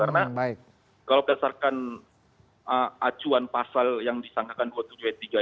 karena kalau berdasarkan acuan pasal yang disangkakan dua puluh tujuh ayat tiga itu